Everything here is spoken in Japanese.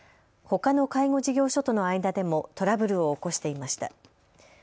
ほかの介護事業所との間でもトラブルを起こしていました。